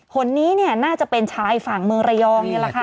คนนี้เนี่ยน่าจะเป็นชายฝั่งเมืองระยองนี่แหละค่ะ